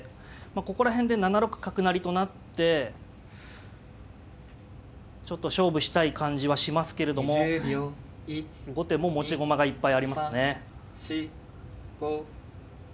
ここら辺で７六角成と成ってちょっと勝負したい感じはしますけれども後手も持ち駒がいっぱいありますね。